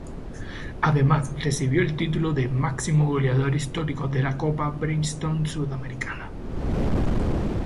Además recibió el título de "Máximo Goleador Histórico de la Copa Bridgestone Sudamericana.